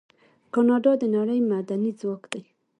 کاناډا د نړۍ معدني ځواک دی.